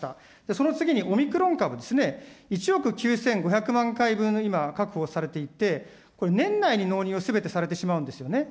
その次にオミクロン株ですね、１億９５００万回分、今、確保をされていて、年内に納入すべてされてしまうんですよね。